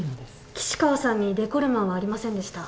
岸川さんにデコルマンはありませんでした。